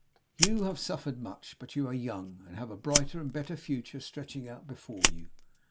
You have suffered much; but you are young, and have a brighter and a better future stretching out before you.